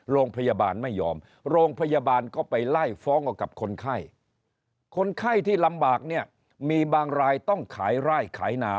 โรงพยาบาลไม่ยอมโรงพยาบาลก็ไปไล่ฟ้องเอากับคนไข้คนไข้ที่ลำบากเนี่ยมีบางรายต้องขายไร่ขายนา